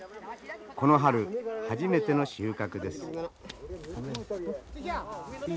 この春初めての収穫です。